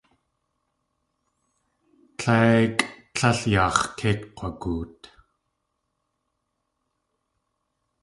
Tléikʼ, tlél yaax̲ yéi kk̲wagoot!